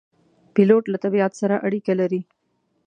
پیلوټ له طبیعت سره اړیکه لري.